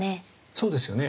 そうですよね。